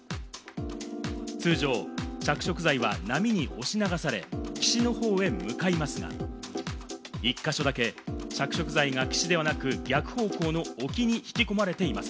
通常、着色剤は波に押し流され岸の方へ向かいますが、１か所だけ着色剤が岸ではなく、逆方向の沖に引き込まれています。